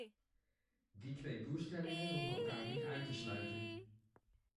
Die twee doelstellingen hoeven elkaar niet uit te sluiten.